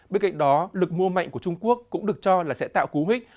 bên cạnh đó lực mua mạnh của trung quốc cũng được cho là sẽ tạo cú hích